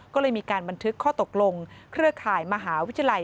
ก็เลยมีการบันทึกข้อตกลงเครือข่ายมหาวิทยาลัย